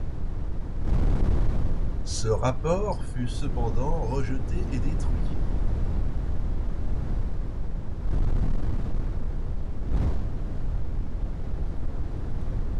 Ce rapport fut cependant rejeté et détruit.